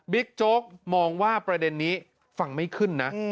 โจ๊กมองว่าประเด็นนี้ฟังไม่ขึ้นนะ